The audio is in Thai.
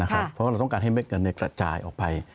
เพราะว่าเราต้องการให้เม็ดเงินกระจายออกไป